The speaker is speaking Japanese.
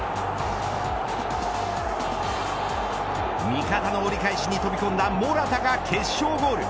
味方の折り返しに飛び込んだモラタが決勝ゴール。